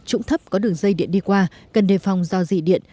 trũng thấp có đường dây điện đi qua cần đề phòng do dị điện